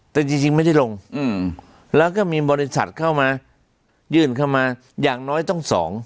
แต่จริงไม่ได้ลงแล้วก็มีบริษัทเข้ามายื่นเข้ามาอย่างน้อยต้อง๒